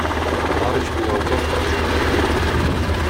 "Maryś była w rozpaczy."